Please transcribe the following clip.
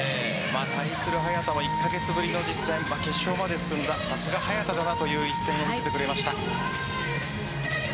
対する早田も１カ月ぶりの実戦さすが早田だなという一戦を見せてくれました。